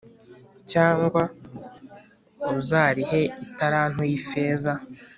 cyangwa uzarihe italanto y’ifeza’